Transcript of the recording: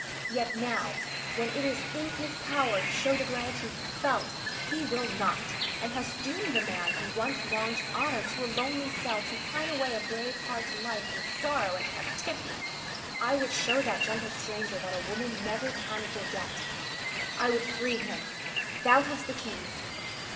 Yet now, when it is in his power to show the gratitude he felt, he will not, and has doomed the man he once longed to honor to a lonely cell to pine away a brave heart's life in sorrow and captivity. I would show that gentle stranger that a woman never can forget. I would free him. Thou hast the keys.